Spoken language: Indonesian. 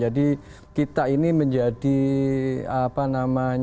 jadi kita ini menjadi apa namanya